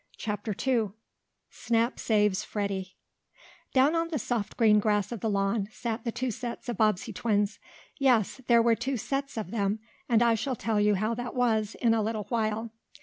CHAPTER II SNAP SAVES FREDDIE Down on the soft green grass of the lawn, sat the two sets of Bobbsey twins. Yes, there were two "sets" of them, and I shall tell you how that was, in a little while.